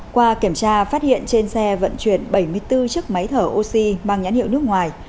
qua kiểm tra phát hiện trên xe vận chuyển bảy mươi bốn chiếc máy thở oxy mang nhãn hiệu nước ngoài